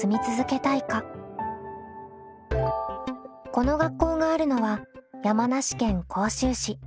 この学校があるのは山梨県甲州市。